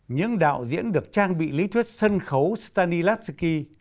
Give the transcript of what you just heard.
những đạo diễn được trang bị lý thuyết sân khấu stanilatsuki